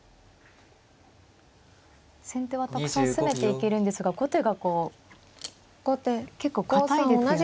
先手はたくさん全て行けるんですが後手がこう結構堅いですよね。